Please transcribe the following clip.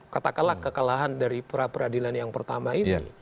kata kelak kekelahan dari peradilan yang pertama ini